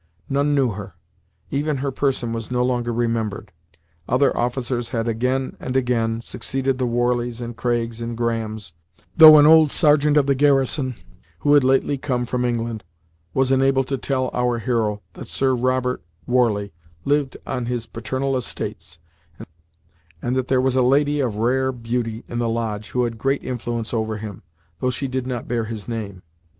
None knew her even her person was no longer remembered. Other officers had, again and again, succeeded the Warleys and Craigs and Grahams, though an old sergeant of the garrison, who had lately come from England, was enabled to tell our hero that Sir Robert Warley lived on his paternal estates, and that there was a lady of rare beauty in the Lodge who had great influence over him, though she did not bear his name.